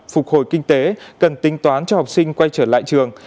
phục hồi kinh tế cần tính toán cho học sinh quay trở lại trường